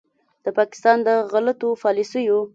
د پاکستان د غلطو پالیسیو